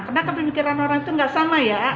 kenapa pemikiran orang itu gak sama ya